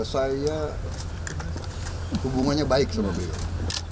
saya hubungannya baik sama beliau